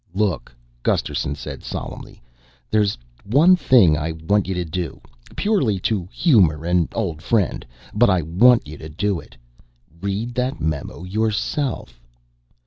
"Look," Gusterson said solemnly, "there's one thing I want you to do. Purely to humor an old friend. But I want you to do it. _Read that memo yourself.